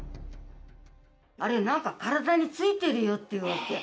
あれなんか体についてるよっていうわけ。